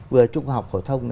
vừa trung học phổ tông